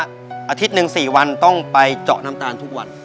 อาทิตย์หนึ่ง๔วันต้องไปเจาะน้ำตาลทุกวัน